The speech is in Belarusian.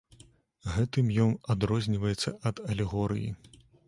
Гэтым ён адрозніваецца ад алегорыі.